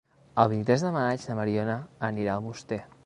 El vint-i-tres de maig na Mariona anirà a Almoster.